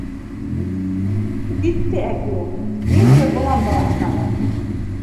— Китте әкиәт, ниндәй болан балаһы тағы?